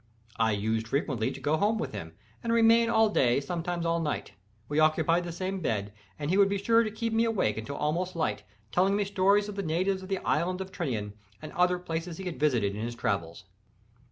I used frequently to go home with him, and remain all day, and sometimes all night. We occupied the same bed, and he would be sure to keep me awake until almost light, telling me stories of the natives of the Island of Tinian, and other places he had visited in his travels.